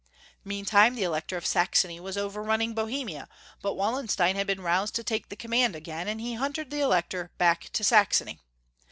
Meantime the Elector of Saxony was overrun ning Bohemia, but Wallenstein had been roused to take the command again, and he hunted the Elec tor back to Saxony.